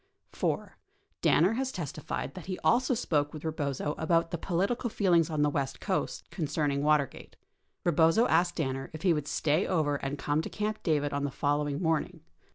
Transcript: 4. Danner has testified that he also spoke with Eebozo about the political feelings on the west coast concerning Watergate. Ee bozo asked Danner if he would stay over and come to Camp David on the following morning.